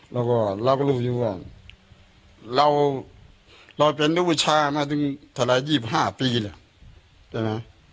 แล้วก็รู้อยู่ว่าเราเป็นธุรกิจชาติมาถึง๒๕ปีแล้ว